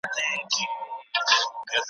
د خپل وطن ګیدړه د بل وطن تر زمري ښه ده `